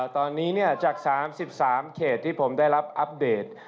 ตอนนี้จาก๓๓เขตที่ผมได้รับอัปเดต